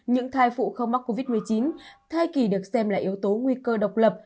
những thai phụ không mắc covid một mươi chín thai kỳ được xem là yếu tố nguy cơ độc lập